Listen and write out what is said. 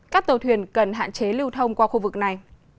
các tàu thuyền cần hạn chế lưu thông qua khu vực này